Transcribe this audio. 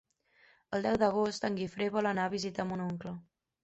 El deu d'agost en Guifré vol anar a visitar mon oncle.